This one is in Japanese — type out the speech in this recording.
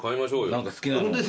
何か好きなの。